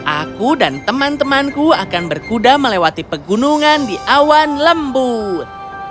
aku dan teman temanku akan berkuda melewati pegunungan di awan lembut